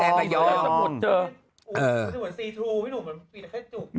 เหมือนซีทรูไม่รู้เหมือนมีแต่เคยจุบ